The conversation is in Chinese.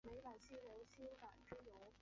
毕业于四川省委党校行政管理。